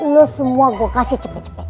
lo semua gue kasih cepet cepet